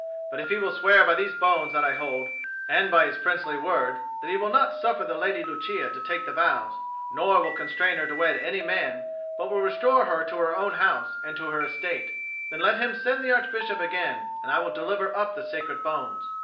But if he will swear by these bones that I hold, and by his princely word, that he will not suffer the Lady Lucia to take the vows, nor will constrain her to wed any man, but will restore her to her own house and to her estate, then let him send the Archbishop again, and I will deliver up the sacred bones.